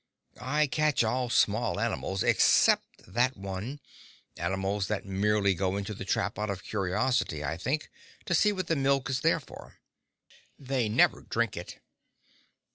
I catch all small animals except that one; animals that merely go into the trap out of curiosity, I think, to see what the milk is there for. They never drink it.